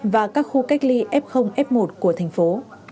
và các khu cách ly f f một của thành phố